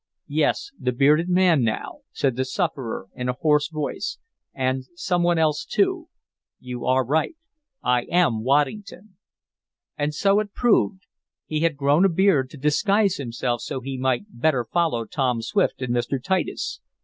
"Yes, the 'bearded man' now," said the sufferer in a hoarse voice, "and some one else too. You are right. I am Waddington!" And so it proved. He had grown a beard to disguise himself so he might better follow Tom Swift and Mr. Titus.